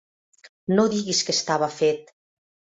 No diguis que estava fet!